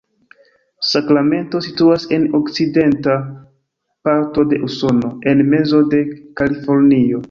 Sakramento situas en sudokcidenta parto de Usono, en mezo de Kalifornio.